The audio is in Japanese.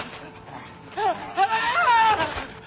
ああ！